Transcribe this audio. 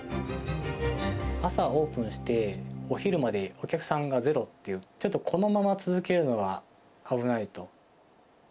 朝オープンして、お昼までお客さんがゼロっていう、ちょっとこのまま続けるのは危ないと。